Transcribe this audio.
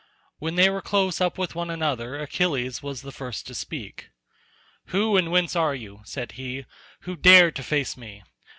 When they were close up with one another Achilles was first to speak. "Who and whence are you," said he, "who dare to face me?